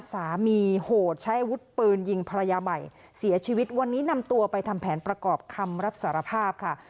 โหดใช้อาวุธปืนยิงภรรยาใหม่เสียชีวิตวันนี้นำตัวไปทำแผนประกอบคำรับสารภาพค่ะ